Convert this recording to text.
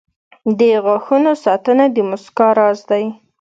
• د غاښونو ساتنه د مسکا راز دی.